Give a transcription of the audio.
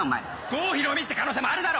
郷ひろみって可能性もあるだろ！